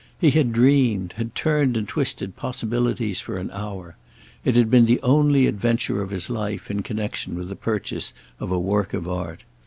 He had dreamed—had turned and twisted possibilities for an hour: it had been the only adventure of his life in connexion with the purchase of a work of art.